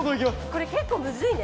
これ結構むずいね。